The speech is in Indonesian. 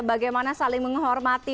bagaimana saling menghormati